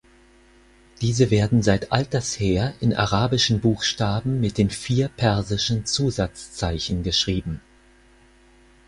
Diese werden seit alters her in arabischen Buchstaben mit den vier persischen Zusatzzeichen geschrieben.